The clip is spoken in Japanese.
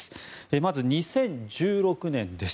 まず２０１６年です。